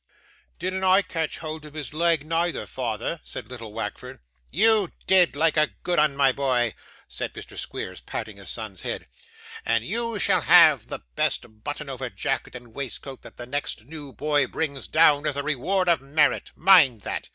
'Didn't I catch hold of his leg, neither, father?' said little Wackford. 'You did; like a good 'un, my boy,' said Mr. Squeers, patting his son's head, 'and you shall have the best button over jacket and waistcoat that the next new boy brings down, as a reward of merit. Mind that.